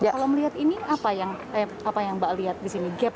kalau melihat ini apa yang mbak lihat di sini